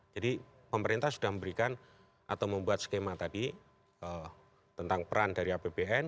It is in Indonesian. jadi pemerintah sudah memberikan atau membuat skema tadi tentang peran dari apbn